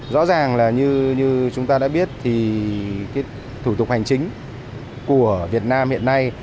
rõ ràng là như chúng ta đã biết thì cái thủ tục hành chính của việt nam hiện nay